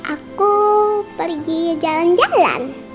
aku pergi jalan jalan